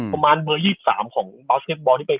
ประมาณเบอร์๒๓ของตายที่ไป